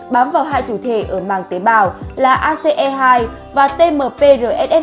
bám vào hai thủ thể ở màng tế bào là ace hai và tmprss hai